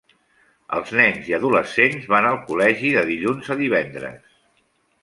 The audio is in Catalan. Els nens i adolescents van al col·legi de dilluns a divendres.